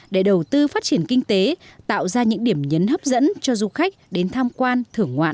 để đầu tư phát triển kinh tế tạo ra những điểm nhấn hấp dẫn cho du khách đến tham quan thưởng ngoạn